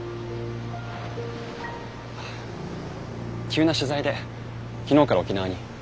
急な取材で昨日から沖縄に。